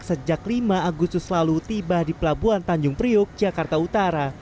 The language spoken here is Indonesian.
sejak lima agustus lalu tiba di pelabuhan tanjung priuk jakarta utara